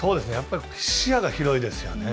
視野が広いですよね。